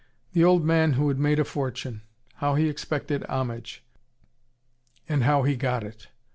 The old man who had made a fortune: how he expected homage: and how he got it!